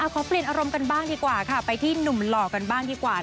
ขอเปลี่ยนอารมณ์กันบ้างดีกว่าค่ะไปที่หนุ่มหล่อกันบ้างดีกว่า